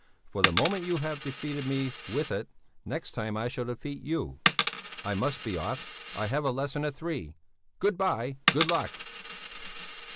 For the moment you have defeated me with it, next time I shall defeat you. I must be off, I have a lesson at three! Good bye, good luck!"